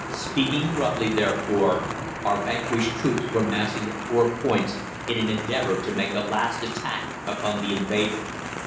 Speaking roughly, therefore, our vanquished troops were massing at four points, in an endeavour to make a last attack upon the invader.